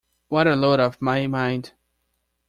What a load off my mind!